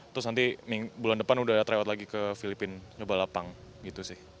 terus nanti bulan depan udah tryout lagi ke filipina nyoba lapang gitu sih